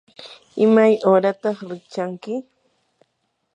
¿imay uurataq rikchanki?